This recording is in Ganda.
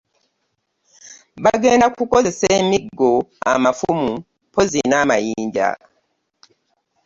Bagenda kukozesa emiggo, amafumu mpozzi n'amayinja.